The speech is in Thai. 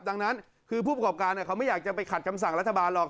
ดังนั้นคือผู้ประกอบการเขาไม่อยากจะไปขัดคำสั่งรัฐบาลหรอก